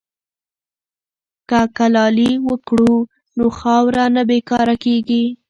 که کلالي وکړو نو خاوره نه بې کاره کیږي.